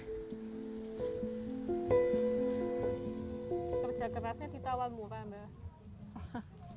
kerja kerasnya ditawal murah mbak